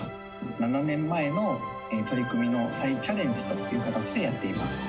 ７年前の取り組みの再チャレンジという形でやっています。